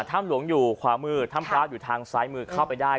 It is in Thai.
ถ้ำหลวงอยู่ขวามือถ้ำพระอยู่ทางซ้ายมือเข้าไปได้